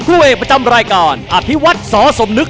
ผู้เอกประจำรายการอภิวัฒน์สอสมนึก